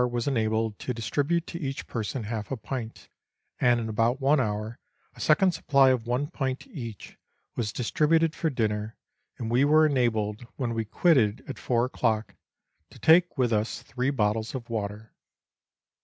was enabled to distribute to each person half a pint, and in about one hour, a second supply of one pint each was distributed for dinner, and we were enabled, when we quitted at four o'clock, to take with us three bottles of water.